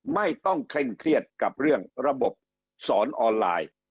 เคร่งเครียดกับเรื่องระบบสอนออนไลน์